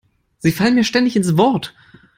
Sie fallen mir ständig ins Wort.